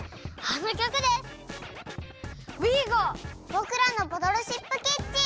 「ボクらのボトルシップキッチン」！